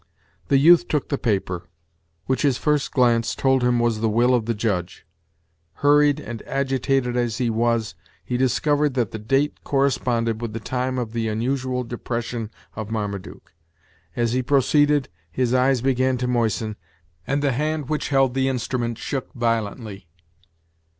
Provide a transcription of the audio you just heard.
The youth took the paper, which his first glance told him was the will of the Judge. Hurried and agitated as he was, he discovered that the date corresponded with the time of the unusual depression of Marmaduke. As he proceeded, his eyes began to moisten, and the hand which held the instrument shook violently.